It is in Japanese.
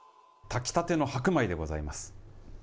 炊きたての白米でございます。